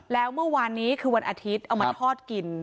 แล้วเมื่อวานนี้คือวันอาทิตย์เอามาทอดกิน